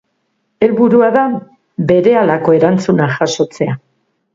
Helburua da berehalako erantzunak jasotzea.